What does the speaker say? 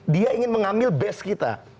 dia ingin mengambil best kita